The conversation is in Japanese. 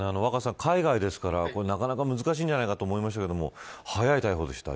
海外ですから、なかなか難しいんじゃないかと思いましたけど早い逮捕でした。